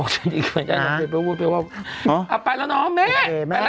ถูกครับไปแจ้งเถอะแม่